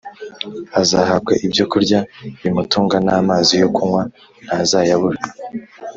azahabwa ibyo kurya bimutunga n’amazi yo kunywa ntazayabura